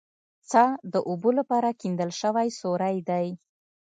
څا د اوبو لپاره کیندل شوی سوری دی